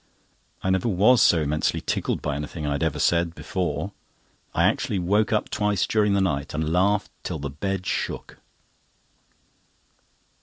I never was so immensely tickled by anything I have ever said before. I actually woke up twice during the night, and laughed till the bed shook.